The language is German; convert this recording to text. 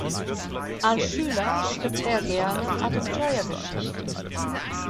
Als Schüler schrieb er gerne Abenteuergeschichten.